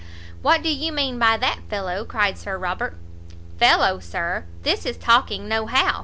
"What do you mean by that, fellow?" cried Sir Robert. "Fellow, Sir! this is talking no how.